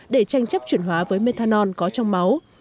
để tranh chấp chuyển hóa với methanol có trong máu